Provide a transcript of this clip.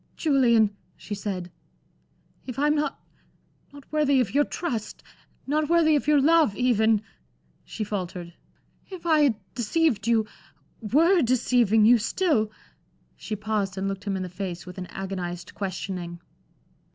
"Julian," she said, "if I'm not not worthy of your trust not worthy of your love, even" she faltered "if I had deceived you were deceiving you still" she paused and looked him in the face with an agonized questioning.